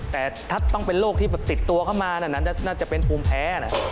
แต่ถ้าต้องเป็นโรคที่ติดตัวเข้ามาน่าจะเป็นภูมิแพ้